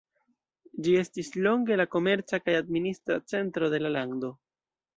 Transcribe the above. Ĝi estis longe la komerca kaj administra centro de la lando.